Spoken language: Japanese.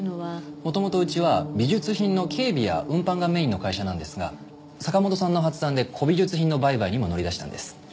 元々うちは美術品の警備や運搬がメインの会社なんですが坂本さんの発案で古美術品の売買にも乗り出したんです。